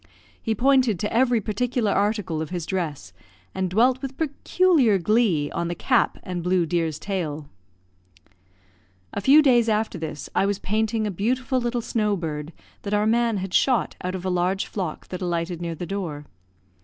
He pointed to every particular article of his dress, and dwelt with peculiar glee on the cap and blue deer's tail. A few days after this, I was painting a beautiful little snow bird, that our man had shot out of a large flock that alighted near the door.